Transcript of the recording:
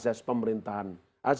asas asas pemerintahan yang berharga